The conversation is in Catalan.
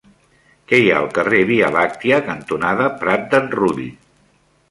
Què hi ha al carrer Via Làctia cantonada Prat d'en Rull?